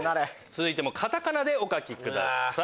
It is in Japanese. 続いてもカタカナでお書きください。